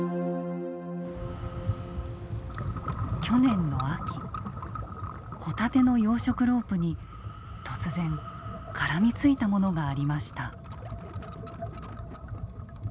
去年の秋ホタテの養殖ロープに突然絡みついたものがありました。